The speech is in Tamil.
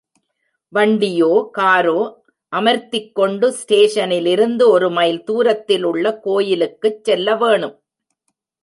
வண்டியோ காரோ அமர்த்திக்கொண்டு ஸ்டேஷனிலிருந்து ஒரு மைல் தூரத்தில் உள்ள கோயிலுக்குச் செல்ல வேணும்.